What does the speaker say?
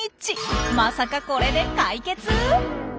まさかこれで解決？